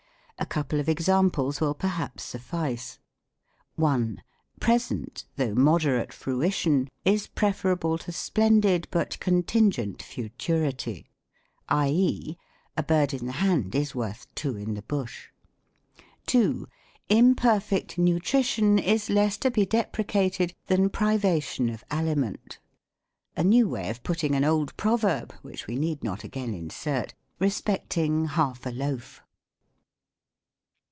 A couple of examples will perhaps suffice ;— 1. Present, though moderate fruition, is preferable to splendid, but contingent futurity ; i. e. A bird in the hand is worth two in the bush. 2. Imperfect nutrhion is less to be deprecated than privation of aliment ;— a new way of putting an old proverb, which we need not again insert, respecting half a loaf.